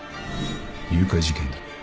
誘拐事件だ。